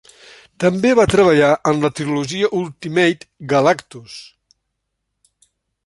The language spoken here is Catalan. També va treballar en la trilogia Ultimate Galactus.